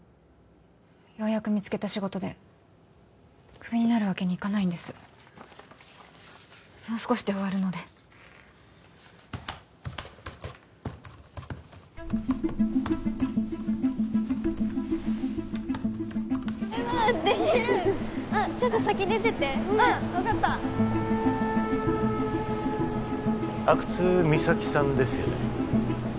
ようやく見つけた仕事でクビになるわけにいかないんですもう少しで終わるのであっちょっと先出ててうん分かった阿久津実咲さんですよね？